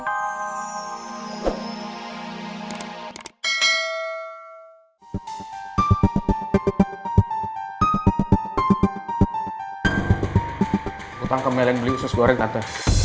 gue tangkep meleleng beli usus goreng tante